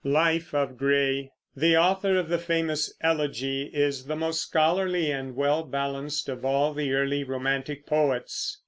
LIFE OF GRAY. The author of the famous "Elegy" is the most scholarly and well balanced of all the early romantic poets.